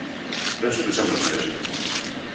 Penso que sempre foi así.